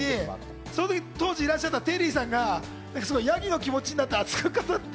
当時、いらっしゃったテリーさんがヤギの気持ちになって、熱く語って。